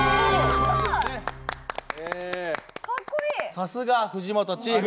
さすが藤本チーフ。